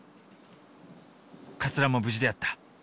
かつらも無事であった。